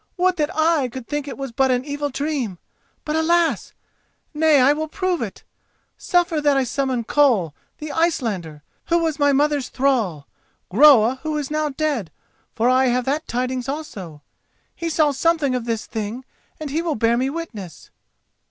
"Would that I could think it was but an evil dream! But alas! Nay, I will prove it. Suffer that I summon Koll, the Icelander, who was my mother's thrall—Groa who now is dead, for I have that tidings also. He saw something of this thing, and he will bear me witness."